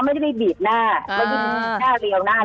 ไม่ได้ไปบีบหน้าเรียวหน้าเล็กแป้ง